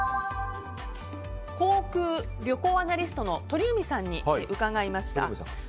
航空・旅行アナリストの鳥海さんに伺いました。